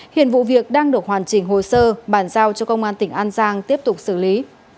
hiện vụ việc đang được hoàn chỉnh hồ sơ bàn giao cho công an tỉnh an giang tiếp tục xử lý